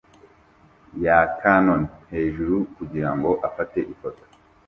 ya kanon hejuru kugirango afate ifoto